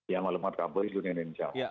yang alamat kabar indonesia